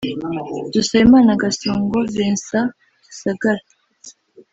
Dusabimana Gasongo Vicent (Gisagara)